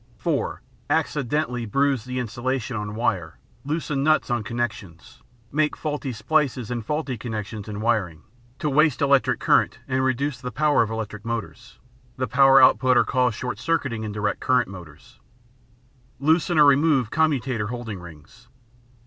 (4) "Accidentally" bruise the insulation on wire, loosen nuts on connections, make faulty splices and faulty connections in wiring, to waste electric current and reduce the power of electric motors, the power output or cause short circuiting in direct current motors: Loosen or remove commutator holding rings.